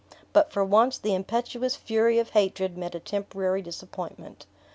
But for once the impetuous fury of hatred met a temporary disappointment.